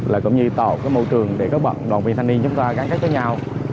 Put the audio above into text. là cũng như tạo cái môi trường để các bạn đoàn viên thanh niên chúng ta gắn kết với nhau